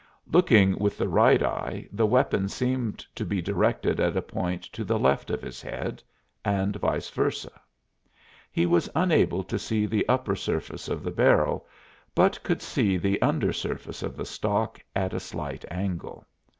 Looking with the right eye, the weapon seemed to be directed at a point to the left of his head, and vice versa. He was unable to see the upper surface of the barrel, but could see the under surface of the stock at a slight angle.